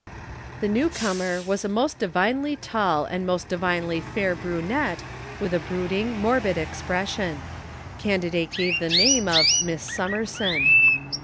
The newcomer was a most divinely tall and most divinely fair brunette with a brooding, morbid expression. Candidate gave the name of Miss Summerson.